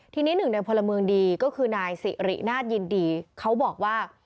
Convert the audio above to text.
ทีนี้หนึ่งในพลเมืองดีก็คือนายสิรินาทยินดีเขาบอกว่า